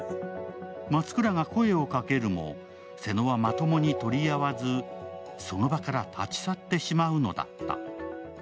松倉が声をかけるも、瀬野はまともにとりあわずその場から立ち去ってしまうのだった。